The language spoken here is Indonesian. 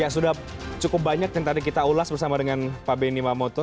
sudah cukup banyak yang tadi kita ulas bersama dengan pak benny mamoto